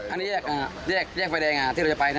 อันนี้แยกไฟแดงที่เราจะไปนะ